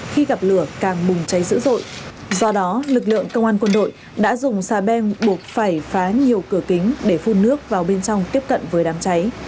khi gặp lửa càng bùng cháy dữ dội do đó lực lượng công an quân đội đã dùng xà beng buộc phải phá nhiều cửa kính để phun nước vào bên trong tiếp cận với đám cháy